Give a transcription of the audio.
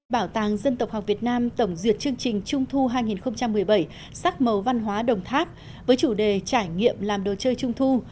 bảo tàng dân tộc học việt nam tổng duyệt chương trình trung thu hai nghìn một mươi bảy sắc màu văn hóa đồng tháp với chủ đề trải nghiệm làm đồ chơi trung thu